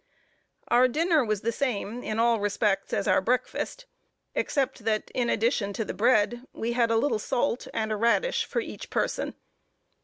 Our dinner was the same, in all respects, as our breakfast, except that, in addition to the bread, we had a little salt, and a radish for each person.